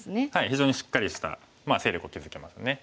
非常にしっかりした勢力を築けますね。